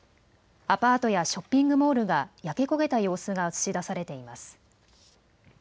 アパートやショッピングモールが焼け焦げた様子が映し出されています。